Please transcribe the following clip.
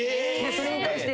それに対して。